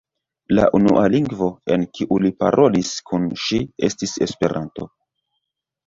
La unua lingvo, en kiu li parolis kun ŝi, estis Esperanto.